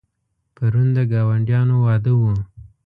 پرون د ګاونډیانو واده و.